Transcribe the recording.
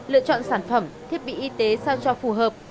lựa chọn sản phẩm thiết bị y tế sao cho phù hợp